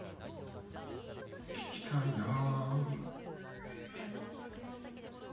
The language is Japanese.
聞きたいなあ。